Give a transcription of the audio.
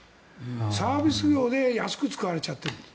サービス業で安く使われちゃってるの。